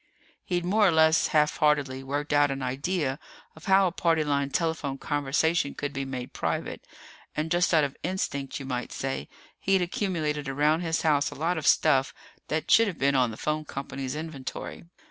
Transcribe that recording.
He'd more or less half heartedly worked out an idea of how a party line telephone conversation could be made private, and just out of instinct, you might say, he'd accumulated around his house a lot of stuff that should have been on the phone company's inventory.